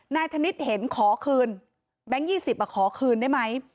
นายธนิดเห็นขอคืนแบงค์๒๐อะขอคืนได้ไหม